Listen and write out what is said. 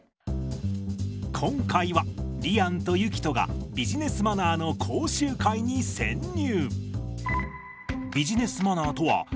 今回はりあんとゆきとがビジネスマナーの講習会に潜入。